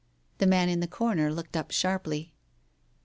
The man in the corner looked up sharply.